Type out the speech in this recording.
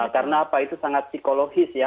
karena apa itu sangat psikologis ya